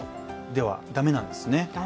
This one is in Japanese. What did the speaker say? では、駄目なんですね。